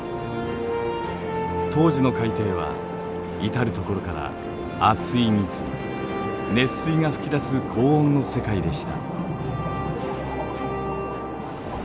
当時の海底は至る所から熱い水熱水が噴き出す高温の世界でした。